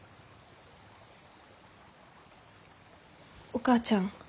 お母ちゃん。